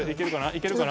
いけるかな？